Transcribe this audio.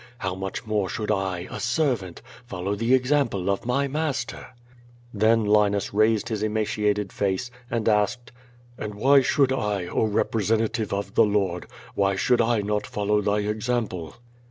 How much more should I, a servant, follow the example of my Master?'* Then Linus raised his emaciated face, and asked: ^'^And why should I, oh, representative of the Lord, why should I not follow thy example?"